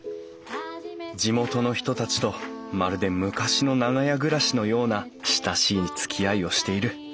地元の人たちとまるで昔の長屋暮らしのような親しいつきあいをしている。